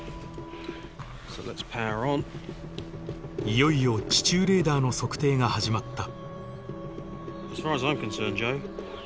いよいよ地中レーダーの測定が始まった。